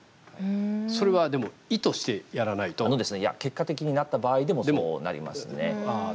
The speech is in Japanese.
それは、でもいや、結果的になった場合でも、そうなりますね。